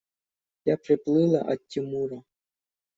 Я приплыла от Тимура.